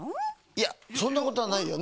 いやそんなことはないよね。